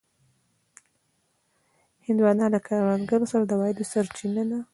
هندوانه له کروندګرو سره د عوایدو سرچینه ده.